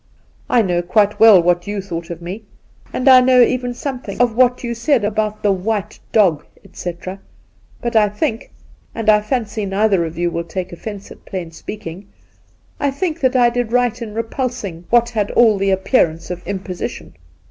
'I know quite well what you thought of me, and I know even something of what you said 94 Induna Nairn about "the white dog," etc., but I think (and I fancy neither of you will take offence at plain speaking) — I think that I did right in repulsing what had all the appearance of imposition.'